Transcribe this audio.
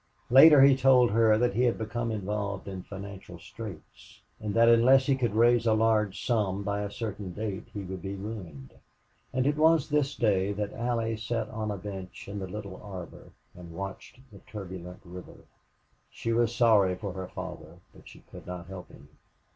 Later he told her that he had become involved in financial straits, and that unless he could raise a large sum by a certain date he would be ruined. And it was this day that Allie sat on a bench in the little arbor and watched the turbulent river. She was sorry for her father, but she could not help him.